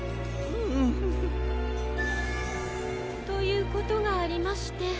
ということがありまして。